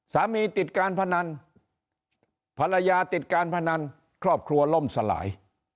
ติดการพนันภรรยาติดการพนันครอบครัวล่มสลาย